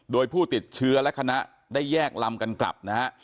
โดยผู้ติดเชื้อและคณะได้แยกลำกันกลับนะฮะ